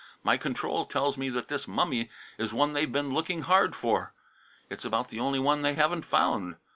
My control tells me that this mummy is one they've been looking hard for. It's about the only one they haven't found.